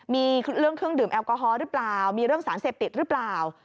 มีเครื่องดื่มแอลกอฮอลหรือเปล่ามีเรื่องสารเสพติดหรือเปล่า